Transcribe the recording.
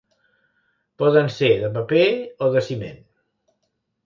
Poden ser de paper o de ciment.